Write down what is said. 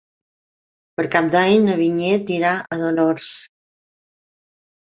Per Cap d'Any na Vinyet irà a Dolors.